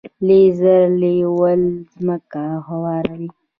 لیزر لیول ځمکه هواروي.